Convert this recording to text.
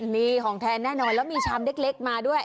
มีของแทนแน่นอนแล้วมีชามเล็กมาด้วย